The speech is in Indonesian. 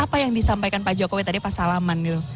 apa yang disampaikan pak jokowi tadi pas salaman gitu